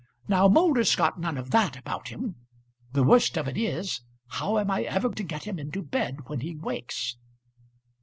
Now Moulder's got none of that about him. The worst of it is, how am I ever to get him into bed when he wakes?"